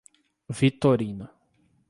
Vitorino